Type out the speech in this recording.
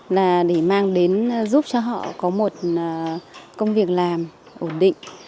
là để mang đến giúp cho họ có một công việc làm ổn định